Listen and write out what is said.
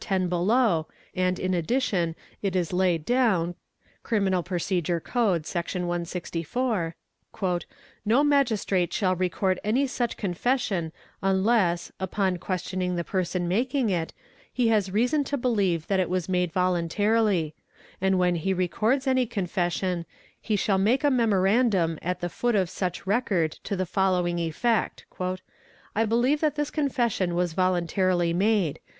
10 below, and in addition it is laid down (Cr. P. C., © Sec. 164) "No Magistrate shall record any such confession unless, upon | questioning the person making it, he has reason to believe that it wai made voluntarily; and when he records any confession, he shall make | a memorandum at the foot of such record to the following effect. " believe that this confession was voluntarily made.